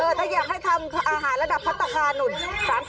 เออแต่อยากให้ทำอาหารระดับพัฒนาหนุน๓๔ล้าน